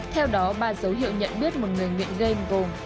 theo đó ba dấu hiệu nhận biết một người nghiện game gồm